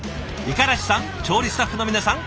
五十嵐さん調理スタッフの皆さん